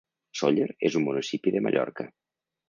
Sóller és un municipi de Mallorca.